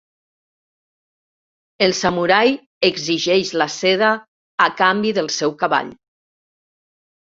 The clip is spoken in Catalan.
El samurai exigeix la seda a canvi del seu cavall.